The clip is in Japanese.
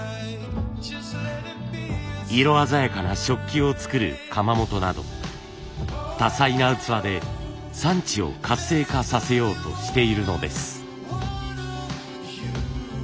色鮮やかな食器を作る窯元など多彩な器で産地を活性化させようとしているのです。